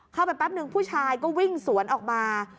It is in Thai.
แป๊บนึงผู้ชายก็วิ่งสวนออกมา